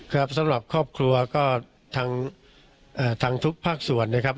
ครับสำหรับครอบครัวก็ทั้งเอ่อทั้งทุกภาคส่วนนะครับ